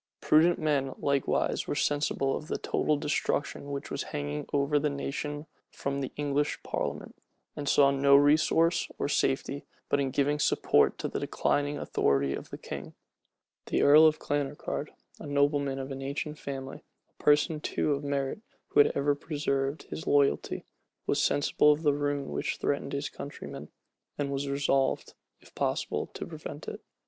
Prudent men likewise were sensible of the total destruction which was hanging over the nation from the English parliament, and saw no resource or safety but in giving support to the declining authority of the king. The earl of Clanricarde, a nobleman of an ancient family, a person too of merit, who had ever preserved his loyalty, was sensible of the ruin which threatened his countrymen, and was resolved, if possible, to prevent it.